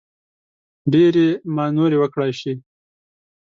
ډېرې مانورې وکړای شي.